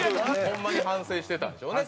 ホンマに反省してたんでしょうね。